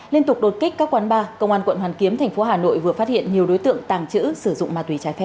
liên tục đột kích các quán bar công an tp hà nội vừa phát hiện nhiều đối tượng tàng chữ sử dụng ma túy trái phép